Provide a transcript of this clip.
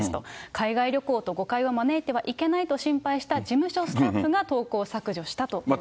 海外旅行と誤解を招いてはいけないと心配した、事務所スタッフが投稿を削除したと言っています。